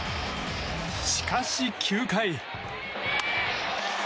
しかし、９回。